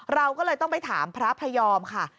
เราก็เลยต้องไปถามพระพระยอมค่ะ